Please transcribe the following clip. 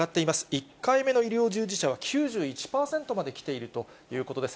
１回目の医療従事者は９１％まできているということです。